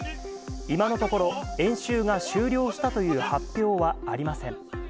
今のところ、演習が終了したという発表はありません。